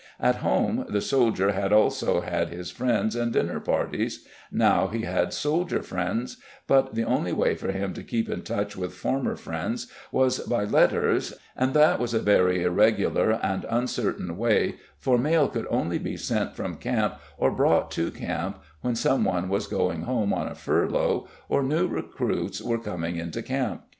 At home the soldier had also had his friends and dinner parties, now he had soldier friends, but the only way for him to keep in touch with former friends was by letters and that was a very irregular and uncertain way for mail could only be sent from camp or brought to camp when some one was going home on a furlough or new recruits were coming into camp.